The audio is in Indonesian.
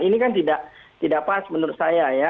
ini kan tidak pas menurut saya ya